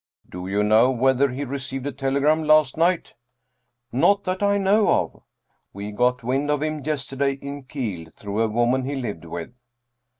Do you know whether he re ceived a telegram last night ?"" Not that I know of." " We got wind of him yesterday in Kiel through a woman he lived with."